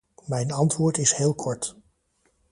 Mijn antwoord is heel kort.